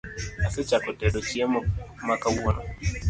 Asechako tedo chiemo ma kawuono